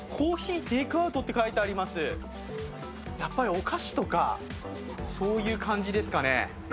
お菓子とかそういう感じですかね。